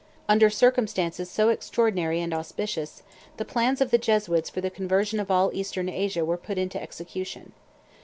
Under circumstances so extraordinary and auspicious, the plans of the Jesuits for the conversion of all Eastern Asia were put in execution.